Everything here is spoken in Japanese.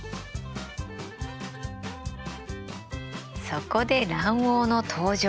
そこで卵黄の登場。